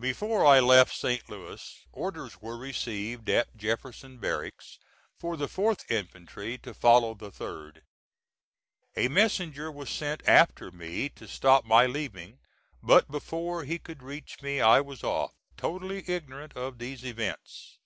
Before I left St. Louis orders were received at Jefferson Barracks for the 4th infantry to follow the 3d. A messenger was sent after me to stop my leaving; but before he could reach me I was off, totally ignorant of these events.